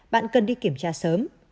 bạn cần đi kiểm tra sớm